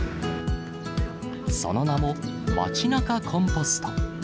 その名もまちなかコンポスト。